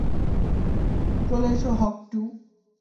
চলে এসো হক-টু।